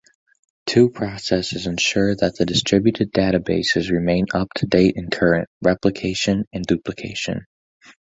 Two processes ensure that the distributed databases remain up-to-date and current: replication and duplication.